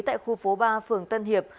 tại khu phố ba phường tân hiệp